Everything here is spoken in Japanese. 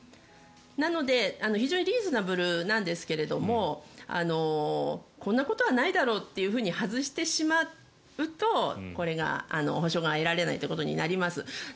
なので非常にリーズナブルなんですがこんなことはないだろうといって外してしまうとこれが、補償が得られないということになります。